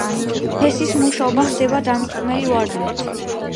ჰესის მუშაობა ხდება დამრტყმელი ვარდნით.